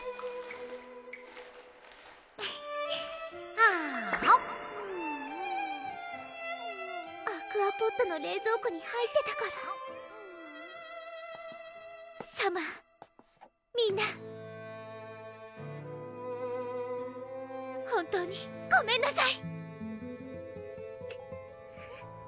あんアクアポットの冷蔵庫に入ってたからサマーみんな本当にごめんなさい